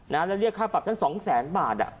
นะเรียกค่าปรับฉัน๒๐๐๐๐๐บาท